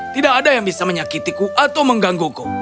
tidak ada yang bisa menyakitiku atau menggangguku